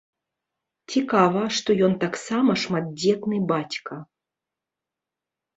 Цікава, што ён таксама шматдзетны бацька.